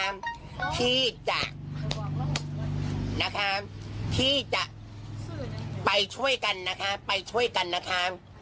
ที่จะนะคะที่จะไปช่วยกันนะคะไปช่วยกันนะคะ